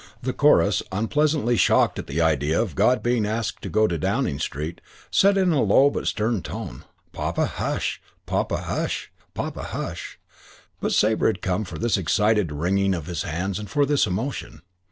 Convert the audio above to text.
The chorus, unpleasantly shocked at the idea of God being asked to go to Downing Street, said in a low but stern tone, "Papa, hush. Papa, hush. Papa, hush"; but Sabre had come for this excited wringing of his hands and for this emotion.